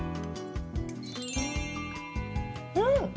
うん！